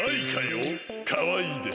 かわいいでしょ？